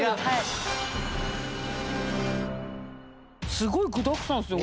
すごい具だくさんですね